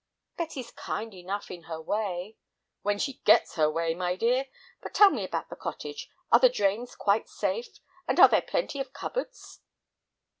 "Betty's kind enough in her way." "When she gets her way, my dear. But tell me about the cottage. Are the drains quite safe, and are there plenty of cupboards?"